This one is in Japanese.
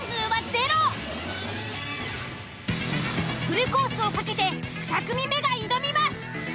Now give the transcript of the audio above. フルコースを懸けて２組目が挑みます。